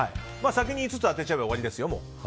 先に５つ当てちゃえば終わりですよ。